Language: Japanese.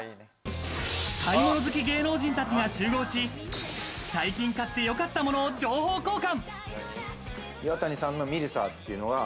買い物好き芸能人たちが集合し、最近買ってよかったものを情報交換！